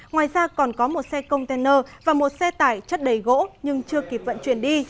ngoài ra còn có một xe container và một xe tải chất đầy gỗ nhưng chưa kịp vận chuyển đi